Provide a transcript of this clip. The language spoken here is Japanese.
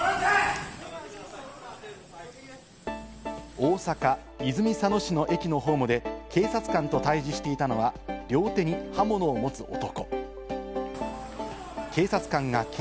大阪・泉佐野市の駅のホームで警察官と対峙していたのは、両手に刃物を持つ男。